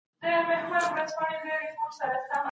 د ژوند هره پیښه تجربه ده.